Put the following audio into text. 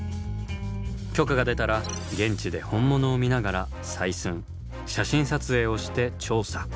許可が出たら現地で本物を見ながら採寸・写真撮影をして調査。